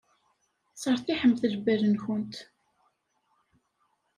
Sseṛtiḥemt lbal-nwent.